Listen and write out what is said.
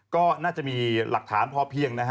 ก็น่าจะมีหลักฐานพอเพียงนะฮะ